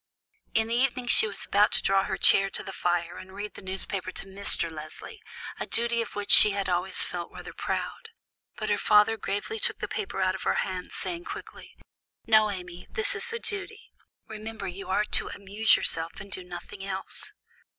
In the evening she was about to draw her chair to the fire and read the newspaper to Mr. Leslie, a duty of which she had always felt rather proud; but her father gravely took the paper out of her hand, saying quickly, "No, Amy, this is a duty; remember you are to amuse yourself and do nothing else."